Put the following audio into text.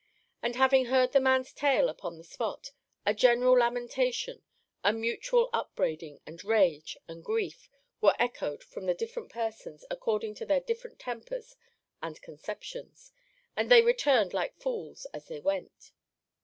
And having heard the man's tale upon the spot, a general lamentation, a mutual upbraiding, and rage, and grief, were echoed from the different persons, according to their different tempers and conceptions. And they returned like fools as they went.